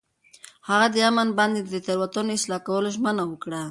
هغه د امین بانډ د تېروتنو اصلاح کولو ژمنه وکړه.